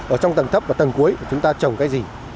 ở trong tầng thấp và tầng cuối chúng ta trồng cái gì